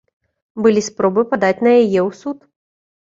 Былі спробы падаць на яе ў суд.